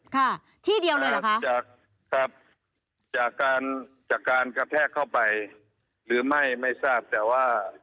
ค่ะที่เดียวเลยเหรอคะจากครับจากการจากการกระแทกเข้าไปหรือไม่ไม่ทราบแต่ว่า